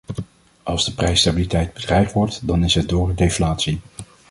Als de prijsstabiliteit bedreigd wordt dan is het door deflatie.